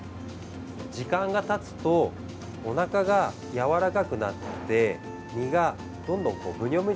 時間がたつとおなかがやわらかくなって身がどんどん、ぶにょぶ